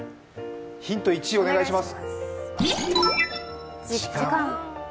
ヒント１、お願いします。